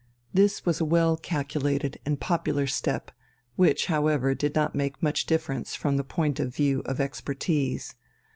This was a well calculated and popular step, which however did not make much difference from the point of view of expertise.